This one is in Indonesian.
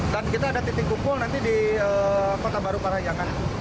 dan kita ada titik kumpul nanti di kota baru parayakan